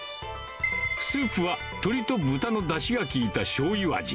スープは鶏と豚のだしが効いたしょうゆ味。